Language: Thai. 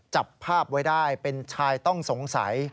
จับภาพไว้ได้เป็นชายต้องสงสัย